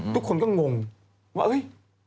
ทุกคนก็งงว่าเฮ้ย